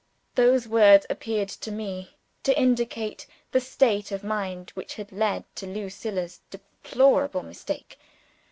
Those words appeared to me to indicate the state of mind which had led to Lucilla's deplorable mistake.